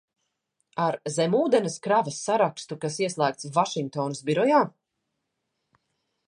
Ar zemūdenes kravas sarakstu, kas ieslēgts Vašingtonas birojā?